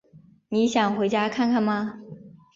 你想回家看看吗？